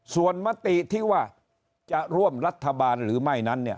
ส่วนมติที่ว่าจะร่วมรัฐบาลหรือไม่นั้น